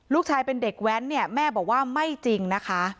ลูกชายเป็นเด็กแว้นเนี่ยแม่บอกว่าไม่จริงนะคะ